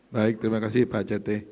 baik terima kasih pak cete